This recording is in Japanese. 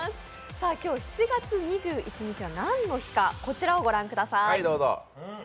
今日７月２１日は何の日かこちらをご覧ください。